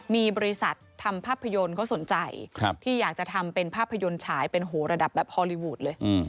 มีบริษัททำภาพยนตร์เขาสนใจที่อยากจะทำเป็นภาพยนตร์ฉายเป็นระดับแบบฮอลลีวูดเลย